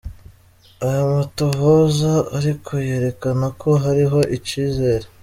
Ayo matohoza ariko yerekana ko hariho icizere.